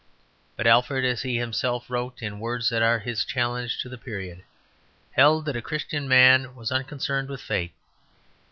But Alfred, as he himself wrote in words that are his challenge to the period, held that a Christian man was unconcerned with fate.